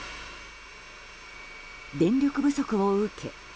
電力不足を受け